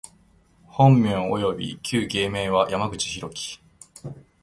本名および旧芸名は、山口大樹（やまぐちひろき）